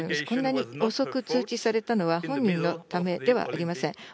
こんなに遅く通知されたのは、本人のためではありません。